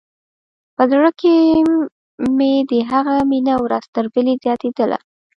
په زړه کښې مې د هغه مينه ورځ تر بلې زياتېدله.